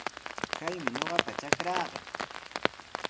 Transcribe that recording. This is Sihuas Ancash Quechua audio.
Kaymi ñuqapa trakraaqa.